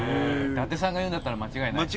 伊達さんが言うんだったら間違いないですね。